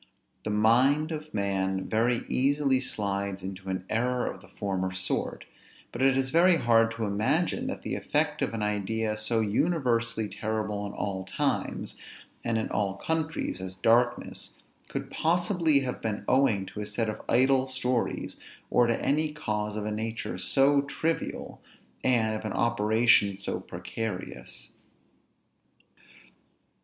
The mind of man very easily slides into an error of the former sort; but it is very hard to imagine, that the effect of an idea so universally terrible in all times, and in all countries, as darkness, could possibly have been owing to a set of idle stories, or to any cause of a nature so trivial, and of an operation so precarious.